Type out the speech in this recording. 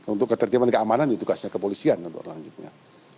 untuk ketertiban keamanan itu tugasnya kepolisian untuk lanjutnya